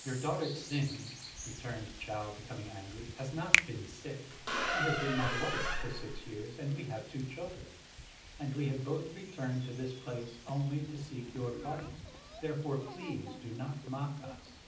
"Your daughter Ts'ing," returned Chau, becoming angry, "has not been sick. She has been my wife for six years; and we have two children; and we have both returned to this place only to seek your pardon. Therefore please do not mock us!"